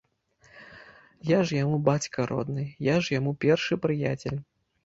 Я ж яму бацька родны, я ж яму першы прыяцель.